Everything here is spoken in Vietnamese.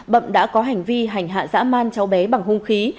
bậm đã có hành vi hành hạ dã man cháu bé bằng hung khí